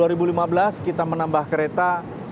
tahun dua ribu lima belas kita menambah kereta satu ratus dua puluh